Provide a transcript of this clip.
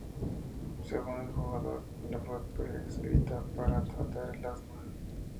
Según el jugador, le fue prescrita para tratar el asma.